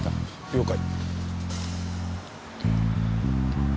了解。